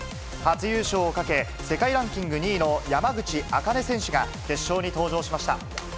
初優勝をかけ、世界ランキング２位の山口茜選手が決勝に登場しました。